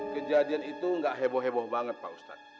kejadian itu nggak heboh heboh banget pak ustadz